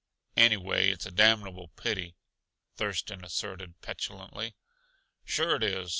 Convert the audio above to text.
"Anyway, it's a damnable pity!" Thurston asserted petulantly. "Sure it is.